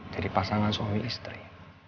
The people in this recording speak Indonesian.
jadi pasangan suami istri